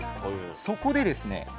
そこでですね